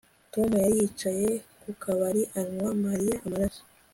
Tom yari yicaye ku kabari anywa Mariya Amaraso